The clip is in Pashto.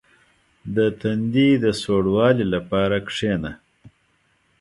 • د تندي د سوړوالي لپاره کښېنه.